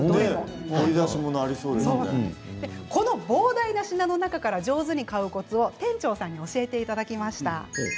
掘り出し物がこの膨大な品の数から上手に買うコツは店長さんに教えていただきました。